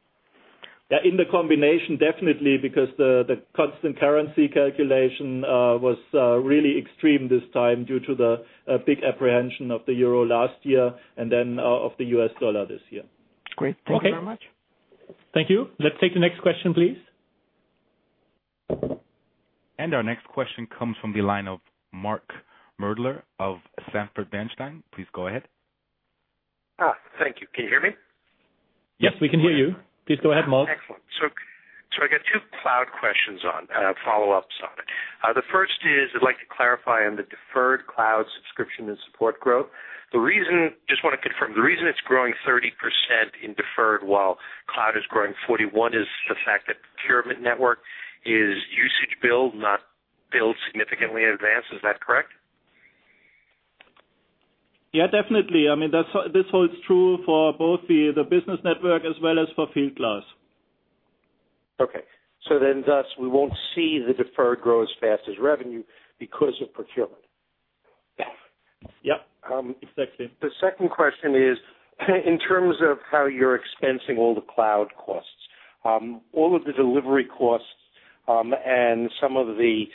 Yeah. In the combination, definitely, because the constant currency calculation was really extreme this time due to the big appreciation of the euro last year and then of the US dollar this year. Great. Thank you very much. Okay. Thank you. Let's take the next question, please. Our next question comes from the line of Mark Moerdler of Sanford Bernstein. Please go ahead. Thank you. Can you hear me? Yes, we can hear you. Please go ahead, Mark. Excellent. I got two cloud questions on follow-ups on it. The first is I'd like to clarify on the deferred cloud subscription and support growth. Just want to confirm, the reason it's growing 30% in deferred while cloud is growing 41 is the fact that procurement network is usage bill, not billed significantly in advance. Is that correct? Yeah, definitely. This holds true for both the SAP Business Network as well as for SAP Fieldglass. Okay. Thus we won't see the deferred grow as fast as revenue because of procurement. Yep. Exactly. The second question is in terms of how you're expensing all the cloud costs. All of the delivery costs, and some of the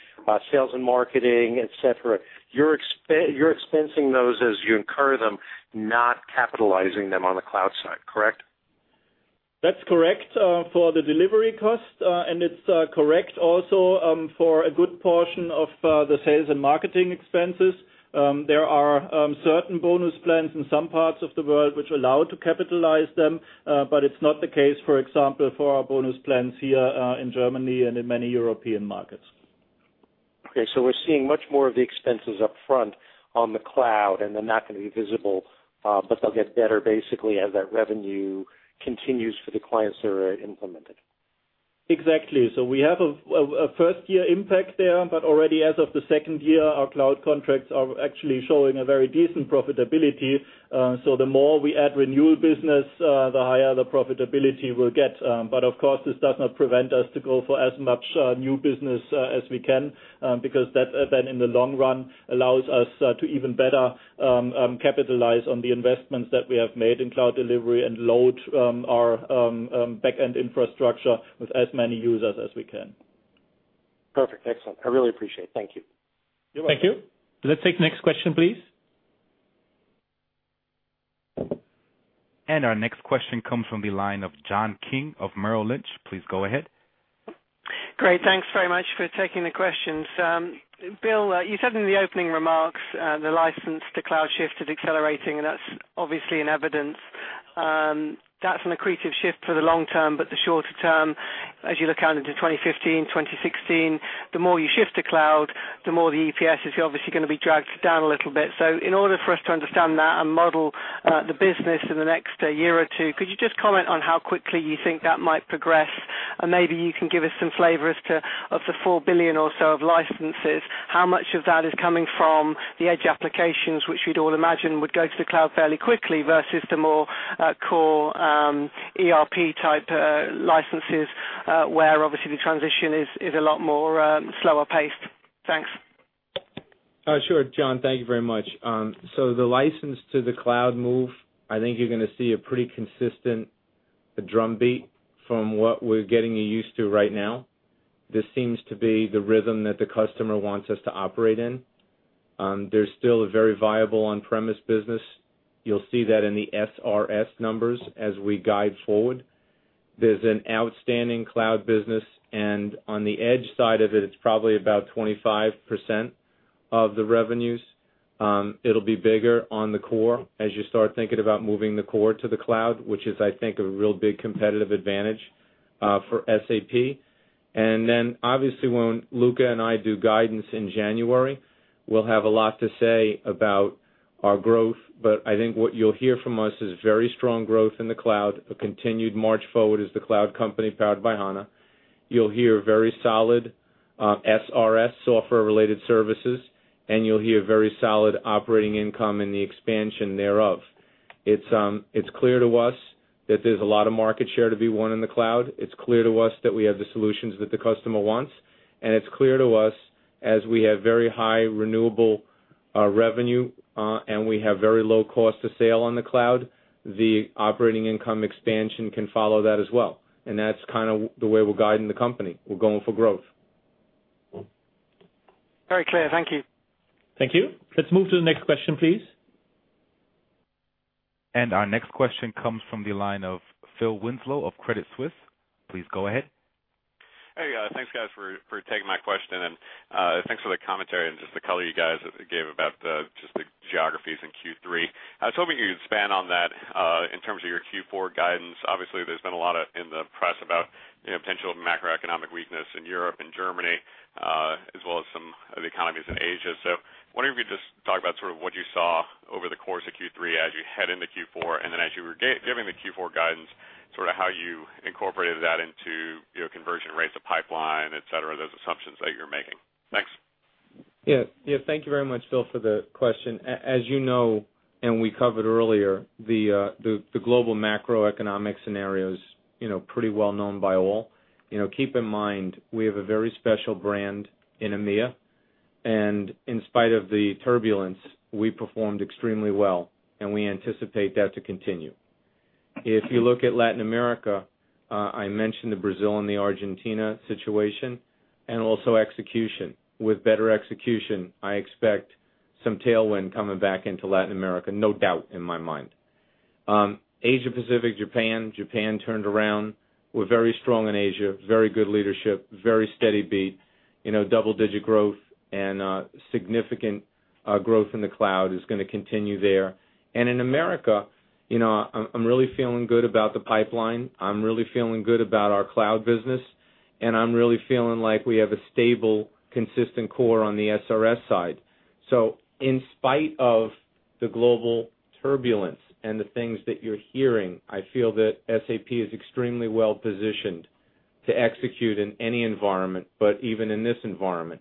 sales and marketing, et cetera, you're expensing those as you incur them, not capitalizing them on the cloud side, correct? That's correct for the delivery cost. It's correct also, for a good portion of the sales and marketing expenses. There are certain bonus plans in some parts of the world which allow to capitalize them. It's not the case, for example, for our bonus plans here in Germany and in many European markets. Okay. We're seeing much more of the expenses upfront on the cloud, and they're not going to be visible, but they'll get better basically as that revenue continues for the clients that are implemented. Exactly. We have a first-year impact there, already as of the second year, our cloud contracts are actually showing a very decent profitability. The more we add renewal business, the higher the profitability we'll get. Of course, this does not prevent us to go for as much new business as we can because that, in the long run, allows us to even better capitalize on the investments that we have made in cloud delivery and load our back-end infrastructure with as many users as we can. Perfect. Excellent. I really appreciate it. Thank you. You're welcome. Thank you. Let's take next question, please. Our next question comes from the line of John King of Merrill Lynch. Please go ahead. Great. Thanks very much for taking the questions. Bill, you said in the opening remarks the license to cloud shift is accelerating, and that's obviously in evidence. That's an accretive shift for the long term, but the shorter term, as you look out into 2015, 2016, the more you shift to cloud, the more the EPS is obviously going to be dragged down a little bit. In order for us to understand that and model the business in the next year or two, could you just comment on how quickly you think that might progress? Maybe you can give us some flavor as to, of the 4 billion or so of licenses, how much of that is coming from the edge applications, which we'd all imagine would go to the cloud fairly quickly, versus the more core ERP-type licenses, where obviously the transition is a lot more slower paced. Thanks. Sure. John, thank you very much. The license to the cloud move, I think you're going to see a pretty consistent drumbeat from what we're getting you used to right now. This seems to be the rhythm that the customer wants us to operate in. There's still a very viable on-premise business. You'll see that in the SRS numbers as we guide forward. There's an outstanding cloud business, and on the edge side of it's probably about 25% of the revenues. It'll be bigger on the core as you start thinking about moving the core to the cloud, which is, I think, a real big competitive advantage for SAP. Obviously, when Luka and I do guidance in January, we'll have a lot to say about our growth. I think what you'll hear from us is very strong growth in the cloud, a continued march forward as the cloud company powered by HANA. You'll hear very solid SRS, software-related services, and you'll hear very solid operating income and the expansion thereof. It's clear to us that there's a lot of market share to be won in the cloud. It's clear to us that we have the solutions that the customer wants, and it's clear to us as we have very high renewable revenue, and we have very low cost of sale on the cloud, the operating income expansion can follow that as well. That's kind of the way we're guiding the company. We're going for growth. Very clear. Thank you. Thank you. Let's move to the next question, please. Our next question comes from the line of Phil Winslow of Credit Suisse. Please go ahead. Hey guys, thanks guys for taking my question, and thanks for the commentary and just the color you guys gave about just the geographies in Q3. I was hoping you could expand on that in terms of your Q4 guidance. Obviously, there's been a lot in the press about potential macroeconomic weakness in Europe and Germany, as well as some of the economies in Asia. I was wondering if you could just talk about sort of what you saw over the course of Q3 as you head into Q4, and then as you were giving the Q4 guidance, sort of how you incorporated that into your conversion rates of pipeline, et cetera, those assumptions that you're making. Thanks. Thank you very much, Phil, for the question. As you know, we covered earlier, the global macroeconomic scenario is pretty well known by all. Keep in mind, we have a very special brand in EMEA. In spite of the turbulence, we performed extremely well, and we anticipate that to continue. If you look at Latin America, I mentioned the Brazil and the Argentina situation and also execution. With better execution, I expect some tailwind coming back into Latin America, no doubt in my mind. Asia-Pacific, Japan. Japan turned around. We are very strong in Asia, very good leadership, very steady beat. Double-digit growth and significant growth in the cloud is going to continue there. In America, I am really feeling good about the pipeline. I am really feeling good about our cloud business, and I am really feeling like we have a stable, consistent core on the SRS side. In spite of the global turbulence and the things that you are hearing, I feel that SAP is extremely well-positioned to execute in any environment, but even in this environment.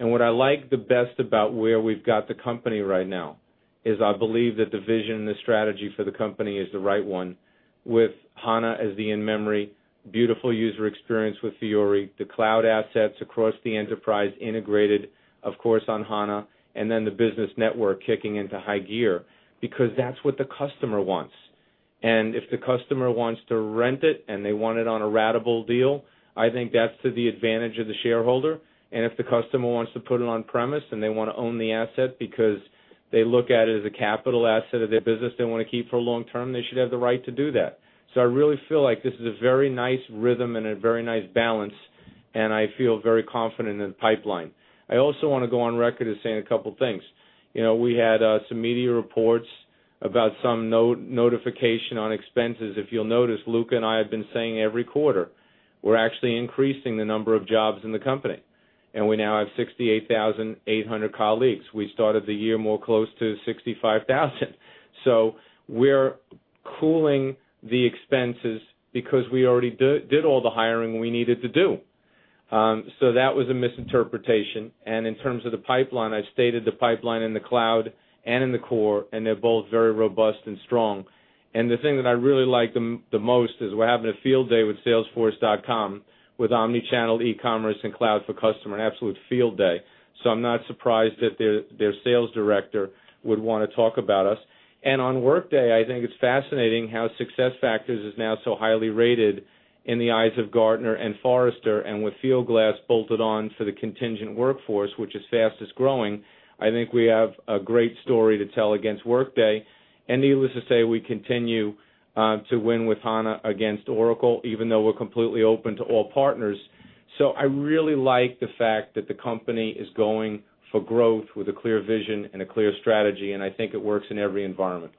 What I like the best about where we have got the company right now is I believe that the vision and the strategy for the company is the right one with HANA as the in-memory, beautiful user experience with Fiori, the cloud assets across the enterprise integrated, of course, on HANA, and then the business network kicking into high gear, because that is what the customer wants. If the customer wants to rent it and they want it on a ratable deal, I think that is to the advantage of the shareholder. If the customer wants to put it on-premise and they want to own the asset because they look at it as a capital asset of their business they want to keep for long term, they should have the right to do that. I really feel like this is a very nice rhythm and a very nice balance, and I feel very confident in the pipeline. I also want to go on record as saying a couple of things. We had some media reports about some notification on expenses. If you will notice, Luka and I have been saying every quarter, we are actually increasing the number of jobs in the company. We now have 68,800 colleagues. We started the year more close to 65,000. We are cooling the expenses because we already did all the hiring we needed to do. That was a misinterpretation. In terms of the pipeline, I stated the pipeline in the cloud and in the core, and they are both very robust and strong. The thing that I really like the most is we are having a field day with salesforce.com, with omni-channel e-commerce and Cloud for Customer, an absolute field day. I am not surprised that their sales director would want to talk about us. On Workday, I think it is fascinating how SuccessFactors is now so highly rated in the eyes of Gartner and Forrester, and with Fieldglass bolted on for the contingent workforce, which is fastest-growing. I think we have a great story to tell against Workday. Needless to say, we continue to win with HANA against Oracle, even though we are completely open to all partners. I really like the fact that the company is going for growth with a clear vision and a clear strategy, and I think it works in every environment.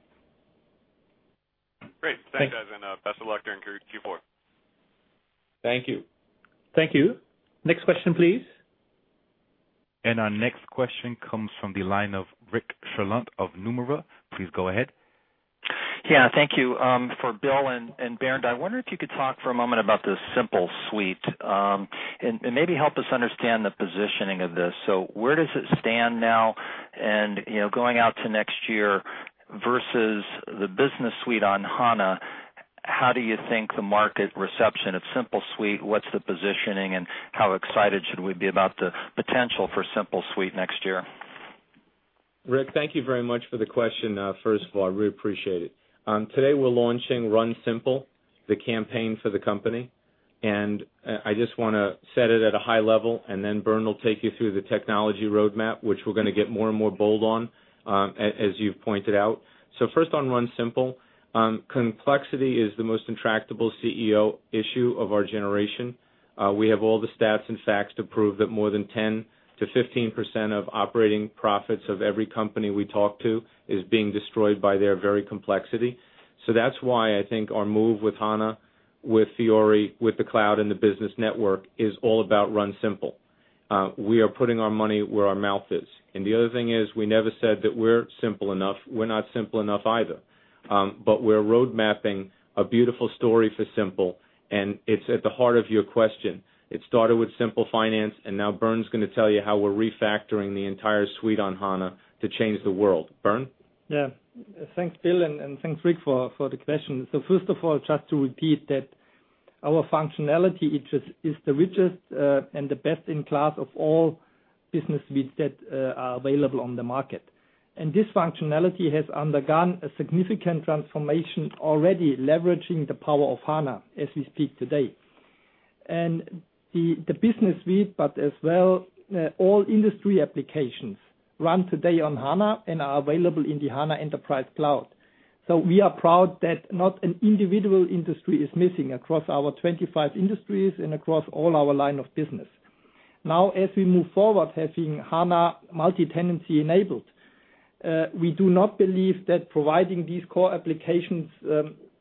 Great. Thanks, guys, and best of luck during Q4. Thank you. Thank you. Next question, please. Our next question comes from the line of Rick Sherlund of Nomura. Please go ahead. Yeah. Thank you. For Bill and Bernd, I wonder if you could talk for a moment about the Simple suite, and maybe help us understand the positioning of this. Where does it stand now and going out to next year versus the Business Suite on HANA? How do you think the market reception of Simple suite, what's the positioning, and how excited should we be about the potential for Simple suite next year? Rick, thank you very much for the question, first of all, I really appreciate it. Today we're launching Run Simple, the campaign for the company, I just want to set it at a high level, then Bernd will take you through the technology roadmap, which we're going to get more and more bold on, as you've pointed out. First on Run Simple. Complexity is the most intractable CEO issue of our generation. We have all the stats and facts to prove that more than 10%-15% of operating profits of every company we talk to is being destroyed by their very complexity. That's why I think our move with HANA, with Fiori, with the cloud and the Business Network is all about Run Simple. We are putting our money where our mouth is. The other thing is, we never said that we're simple enough. We're not simple enough either. We're road mapping a beautiful story for Simple, and it's at the heart of your question. It started with Simple Finance, and now Bernd's going to tell you how we're refactoring the entire suite on HANA to change the world. Bernd? Yeah. Thanks, Bill, and thanks, Rick, for the question. First of all, just to repeat that our functionality is the richest and the best in class of all business suites that are available on the market. This functionality has undergone a significant transformation already leveraging the power of SAP HANA as we speak today. The business suite, but as well all industry applications run today on SAP HANA and are available in the SAP HANA Enterprise Cloud. We are proud that not an individual industry is missing across our 25 industries and across all our line of business. As we move forward, having SAP HANA multi-tenancy enabled, we do not believe that providing these core applications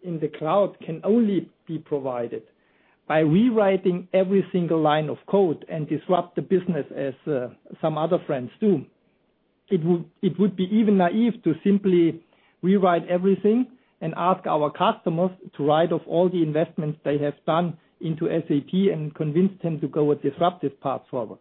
in the cloud can only be provided by rewriting every single line of code and disrupt the business as some other friends do. It would be even naive to simply rewrite everything and ask our customers to write off all the investments they have done into SAP and convince them to go a disruptive path forward.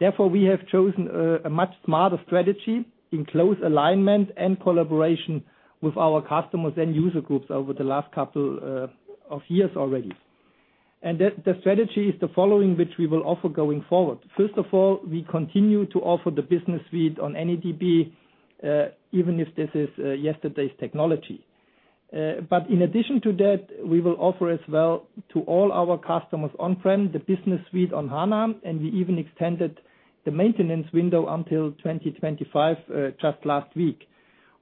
Therefore, we have chosen a much smarter strategy in close alignment and collaboration with our customers and user groups over the last couple of years already. The strategy is the following, which we will offer going forward. First of all, we continue to offer the business suite on any DB, even if this is yesterday's technology. In addition to that, we will offer as well to all our customers on-prem, the business suite on SAP HANA, and we even extended the maintenance window until 2025, just last week.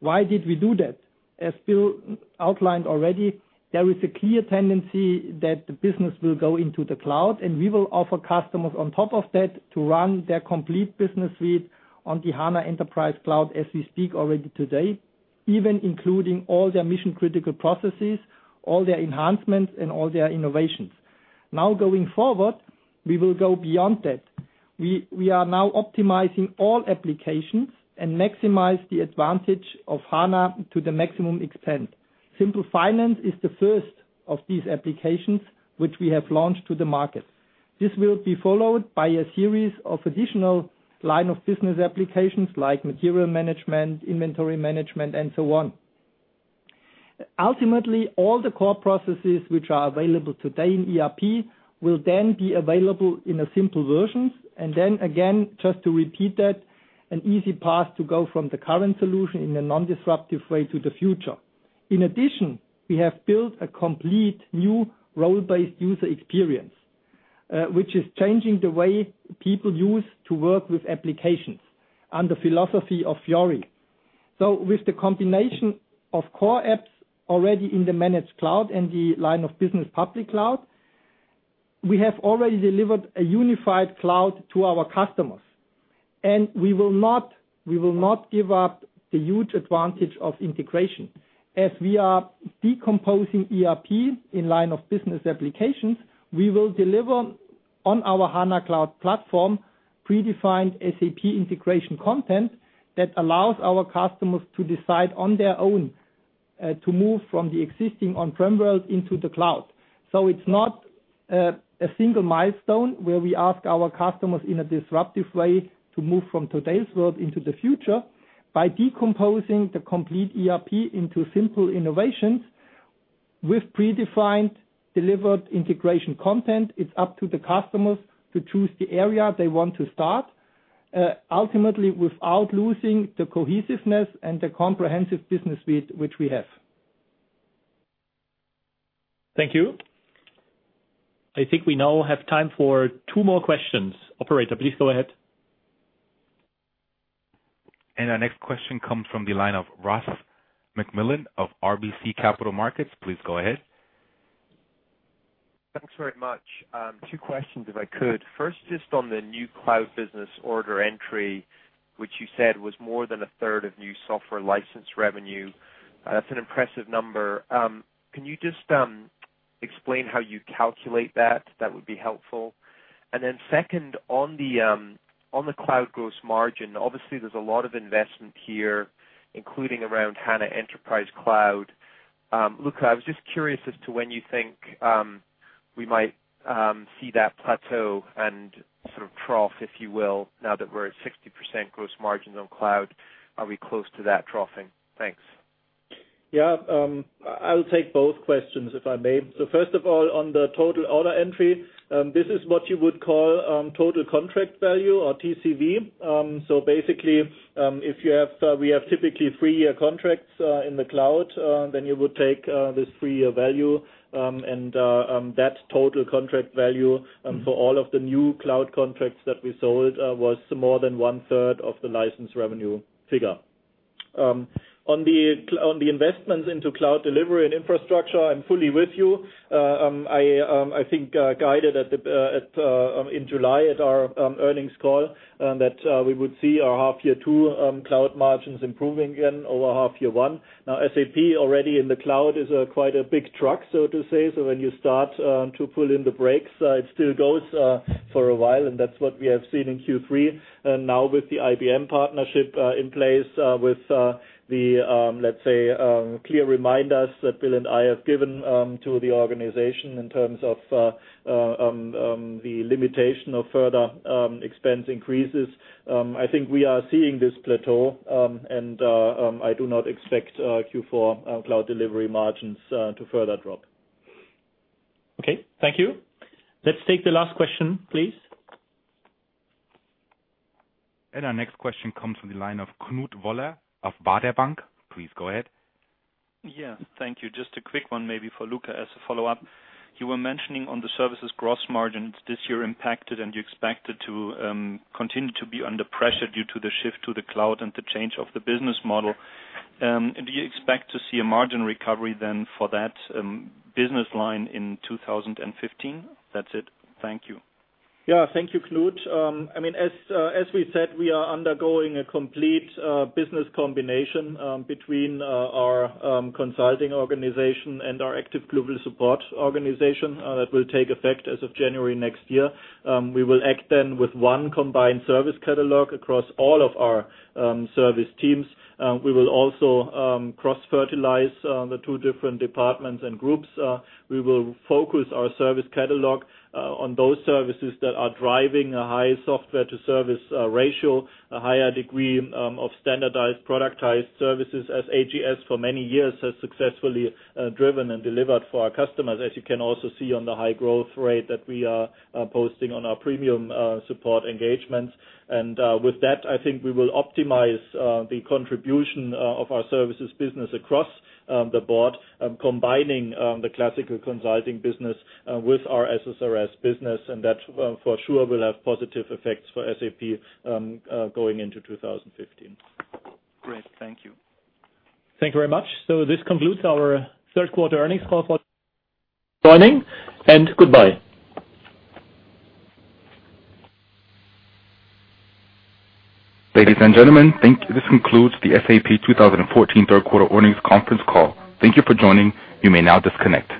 Why did we do that? As Bill outlined already, there is a clear tendency that the business will go into the cloud, and we will offer customers on top of that to run their complete business suite on the SAP HANA Enterprise Cloud as we speak already today, even including all their mission critical processes, all their enhancements, and all their innovations. Going forward, we will go beyond that. We are now optimizing all applications and maximize the advantage of SAP HANA to the maximum extent. SAP Simple Finance is the first of these applications which we have launched to the market. This will be followed by a series of additional line of business applications like material management, inventory management, and so on. Ultimately, all the core processes which are available today in ERP will then be available in a Simple version. Again, just to repeat that, an easy path to go from the current solution in a non-disruptive way to the future. In addition, we have built a complete new role-based user experience, which is changing the way people use to work with applications and the philosophy of SAP Fiori. With the combination of core apps already in the managed cloud and the line of business public cloud, we have already delivered a unified cloud to our customers. We will not give up the huge advantage of integration. As we are decomposing ERP in line of business applications, we will deliver on our HANA Cloud Platform, predefined SAP integration content that allows our customers to decide on their own to move from the existing on-prem world into the cloud. It's not a single milestone where we ask our customers in a disruptive way to move from today's world into the future. By decomposing the complete ERP into simple innovations with predefined delivered integration content, it's up to the customers to choose the area they want to start, ultimately, without losing the cohesiveness and the comprehensive business suite which we have. Thank you. I think we now have time for two more questions. Operator, please go ahead. Our next question comes from the line of Ross MacMillan of RBC Capital Markets. Please go ahead. Thanks very much. Two questions, if I could. First, just on the new cloud business order entry, which you said was more than a third of new software license revenue. That's an impressive number. Can you just explain how you calculate that? That would be helpful. Then second, on the cloud gross margin, obviously there's a lot of investment here, including around HANA Enterprise Cloud. Luka, I was just curious as to when you think we might see that plateau and sort of trough, if you will, now that we're at 60% gross margins on cloud. Are we close to that troughing? Thanks. Yeah. I will take both questions, if I may. First of all, on the total order entry, this is what you would call total contract value or TCV. Basically, if we have typically three-year contracts in the cloud, then you would take this three-year value, and that total contract value for all of the new cloud contracts that we sold was more than one-third of the licensed revenue figure. On the investments into cloud delivery and infrastructure, I'm fully with you. I think guided in July at our earnings call that we would see our half-year 2 cloud margins improving again over half-year 1. Now, SAP already in the cloud is quite a big truck, so to say. When you start to pull in the brakes, it still goes for a while, and that's what we have seen in Q3. Now with the IBM partnership in place, with the, let's say, clear reminders that Bill and I have given to the organization in terms of the limitation of further expense increases, I think we are seeing this plateau, and I do not expect Q4 cloud delivery margins to further drop. Okay. Thank you. Let's take the last question, please. Our next question comes from the line of Knut Woller of Baader Bank. Please go ahead. Yeah. Thank you. Just a quick one, maybe for Luka, as a follow-up. You were mentioning on the services gross margins this year impacted, and you expect it to continue to be under pressure due to the shift to the cloud and the change of the business model. Do you expect to see a margin recovery then for that business line in 2015? That's it. Thank you. Yeah. Thank you, Knut. As we said, we are undergoing a complete business combination between our consulting organization and our active global support organization that will take effect as of January next year. We will act then with one combined service catalog across all of our service teams. We will also cross-fertilize the two different departments and groups. We will focus our service catalog on those services that are driving a higher software-to-service ratio, a higher degree of standardized productized services as AGS for many years has successfully driven and delivered for our customers, as you can also see on the high growth rate that we are posting on our premium support engagements. With that, I think we will optimize the contribution of our services business across the board, combining the classical consulting business with our SSRS business, and that for sure will have positive effects for SAP going into 2015. Great. Thank you. Thank you very much. This concludes our third quarter earnings call for joining, and goodbye. Ladies and gentlemen, this concludes the SAP 2014 third quarter earnings conference call. Thank you for joining. You may now disconnect.